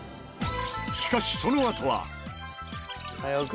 しかしそのあとは。